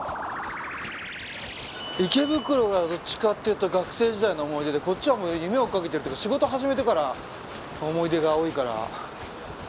池袋がどっちかっていうと学生時代の思い出でこっちはもう夢を追っかけてるっていうか仕事始めてからの思い出が多いから。